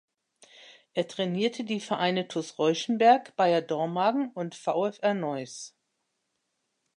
Er trainierte die Vereine TuS Reuschenberg, Bayer Dormagen und VfR Neuss.